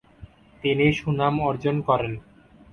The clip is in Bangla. তিনি সুনাম অর্জন করেন।